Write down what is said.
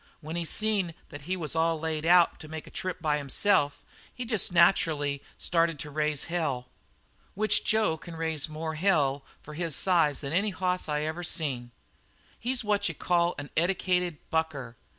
When he seen that he was all laid out to make a trip by himself he jest nacherally started in to raise hell. Which Jo can raise more hell for his size than any hoss I ever seen. "He's what you call an eddicated bucker.